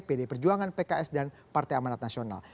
pd perjuangan pks dan partai amanat nasional